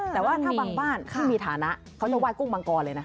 แต่ว่าถ้าบางบ้านที่มีฐานะเขาจะไห้กุ้งมังกรเลยนะ